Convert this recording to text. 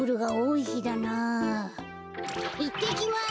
いってきます。